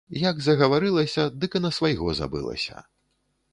Як загаварылася, дык і на свайго забылася.